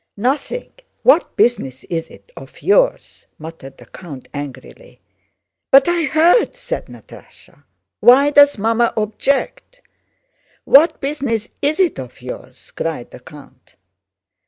"Nothing! What business is it of yours?" muttered the count angrily. "But I heard," said Natásha. "Why does Mamma object?" "What business is it of yours?" cried the count.